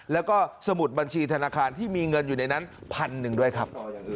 แล้วก็สมุดบัญชีธนาคารที่มีเงินอยู่ในนั้นพันหนึ่งด้วยครับ